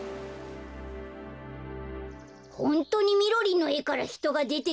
ホントにみろりんのえからひとがでてきたの？